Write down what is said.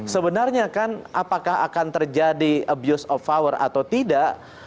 sebenarnya kan apakah akan terjadi abuse of power atau tidak